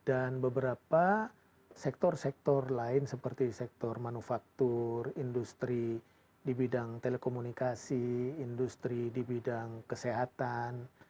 dan beberapa sektor sektor lain seperti sektor manufaktur industri di bidang telekomunikasi industri di bidang kesehatan